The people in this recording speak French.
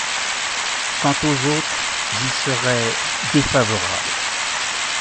Quant aux autres, j’y serais défavorable.